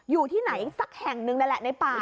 อยู่ที่ไหนสักแห่งหนึ่งนั่นแหละในป่า